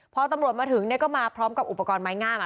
พอตำรวจมาถึงก็มาพร้อมกับอุปกรณ์ไม้งาม